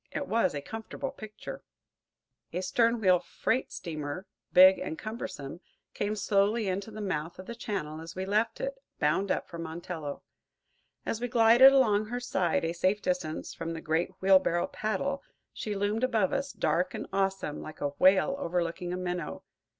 It was a comfortable picture. A stern wheel freight steamer, big and cumbersome, came slowly into the mouth of the channel as we left it, bound up, for Montello. As we glided along her side, a safe distance from the great wheelbarrow paddle, she loomed above us, dark and awesome, like a whale overlooking a minnow.